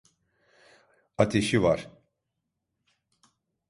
"Ateşi var.